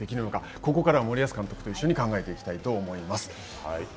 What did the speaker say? ここからは森保監督と一緒に考えていきたいと思います。